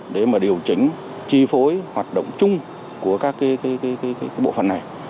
để mà điều chỉnh chi phối hoạt động chung của các bộ phận này